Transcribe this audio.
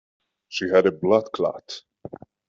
She had a blood clot.